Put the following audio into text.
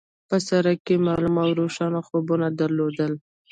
په سر کې يې معلوم او روښانه خوبونه درلودل.